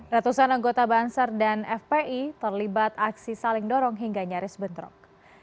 ratusan anggota banser dan fpi terlibat aksi saling dorong hingga nyaris bentrok